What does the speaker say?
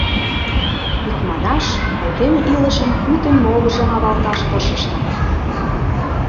Икманаш, айдеме илышын пӱтынь могыржым авалташ тыршышна.